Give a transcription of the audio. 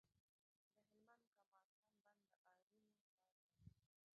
د هلمند کمال خان بند د آرینو کار دی